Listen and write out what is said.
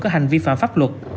có hành vi phạm pháp luật